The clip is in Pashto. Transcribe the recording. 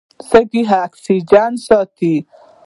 سږي اکسیجن ساتي.